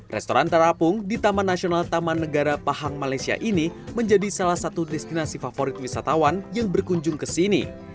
restoran terapung di taman nasional taman negara pahang malaysia ini menjadi salah satu destinasi favorit wisatawan yang berkunjung ke sini